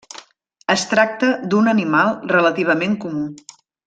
Es tracta d'un animal relativament comú.